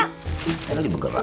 eh enak juga bergerak